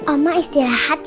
omah istirahat ya